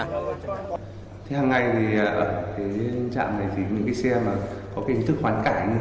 thì hằng ngày thì ở cái trạm này thì những cái xe mà có cái ý thức hoàn cảnh